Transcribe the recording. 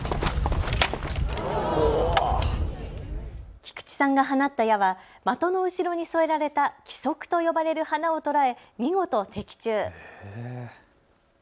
菊池さんが放った矢は的の後ろに添えられた亀足と呼ばれる花を捉え見事、的中。